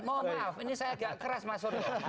mohon maaf ini saya agak keras mas